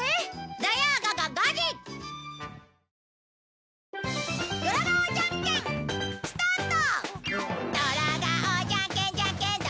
土曜午後５時スタート！